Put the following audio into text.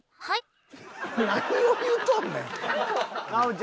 はい。